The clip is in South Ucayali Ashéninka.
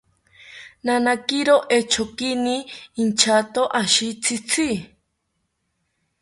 Nanakiro echonkini inchato ashi tzitzi